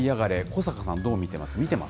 小坂さん、どう見てます？